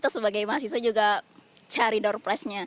sebagai mahasiswa juga cari door press nya